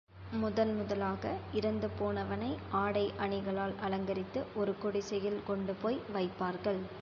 முதன் முதலாக இறந்துபோனவனை ஆடை அணிகளால் அலங்கரித்து, ஒரு குடிசையில் கொண்டுபோய் வைப்பார்கள்.